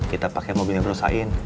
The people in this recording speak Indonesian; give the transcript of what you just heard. kita pake mobilnya berusain